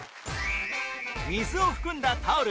水を含んだタオル